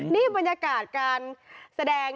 นี่บรรยากาศการแสดง